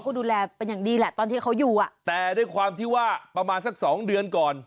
ก็ดูแลเป็นอย่างดีแหละตอนที่เขาอยู่อ่ะแต่ด้วยความที่ว่าประมาณสักสองเดือนก่อน